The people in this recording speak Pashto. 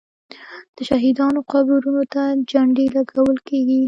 د شهیدانو قبرونو ته جنډې لګول کیږي.